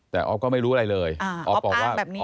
แต่ออฟก็ไม่รู้อะไรเลยออฟบอกว่าแบบนี้